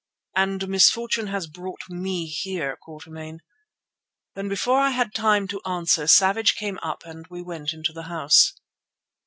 "And misfortune has brought me here, Quatermain." Then before I had time to answer Savage came up and we went into the house.